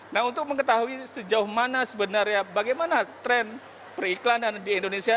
nah untuk mengetahui sejauh mana sebenarnya bagaimana tren periklanan di indonesia